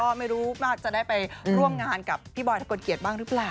ก็ไม่รู้ว่าจะได้ไปร่วมงานกับพี่บอยทะกลเกียจบ้างหรือเปล่า